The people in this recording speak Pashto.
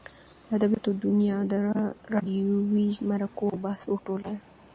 د ادبیاتو دونیا د راډیووي مرکو او بحثو ټولګه ده.